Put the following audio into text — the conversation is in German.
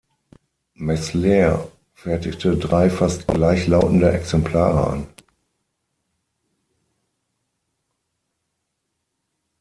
Meslier fertigte drei fast gleichlautende Exemplare an.